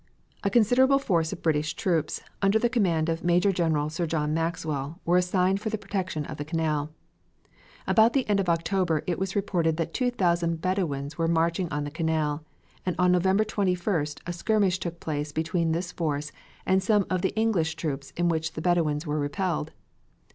A considerable force of British troops, under the command of Major General Sir John Maxwell, were assigned for the protection of the Canal. About the end of October it was reported that 2,000 Bedouins were marching on the Canal, and on November 21st a skirmish took place between this force and some of the English troops in which the Bedouins were repelled.